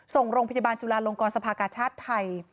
ส่งโรงพยาบาลจุฬาลงกรสภากาชาติไทย